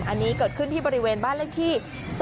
อันนี้เกิดขึ้นที่บริเวณบ้านเลขที่